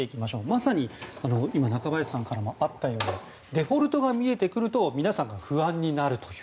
まさに今中林さんからもあったようにデフォルトが見えてくると皆さんが不安になるという。